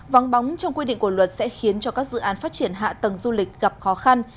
vắng bóng trong quy định của luật sẽ khiến cho các dự án phát triển hạ tầng du lịch gặp khó khăn